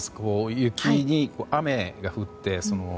雪に雨が降って。